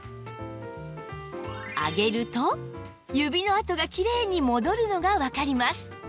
上げると指の跡がきれいに戻るのがわかります